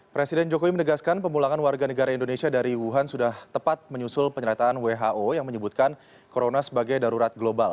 presiden jokowi menegaskan pemulangan warga negara indonesia dari wuhan sudah tepat menyusul penyerataan who yang menyebutkan corona sebagai darurat global